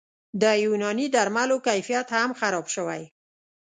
د یوناني درملو کیفیت هم خراب شوی